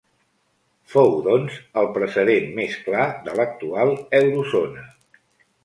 Fou, doncs, el precedent més clar de l'actual Eurozona.